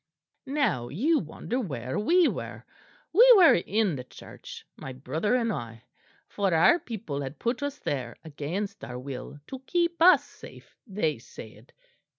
"Now you wonder where we were. We were in the church, my brother and I; for our people had put us there against our will, to keep us safe, they said.